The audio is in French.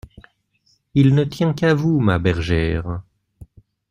Il ne tient qu'à vous, ma bergère!